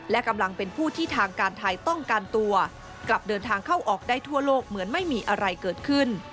และกำลังเป็นผู้ที่ทางการไทยต้องการตัวกลับเดินทางเข้าออกได้ทั่วโลกเหมือนไม่มีอะไรเกิดขึ้น